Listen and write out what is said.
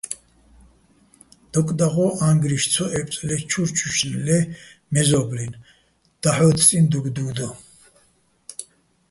დოკ დაღო́, ა́ჼგრიშ ცო ებწო̆ ლე ჩურჩუჲშნო-ე́ ლე მეზო́ბლინ, დაჰ̦ო́თთწიჼ დუგდუგ დო.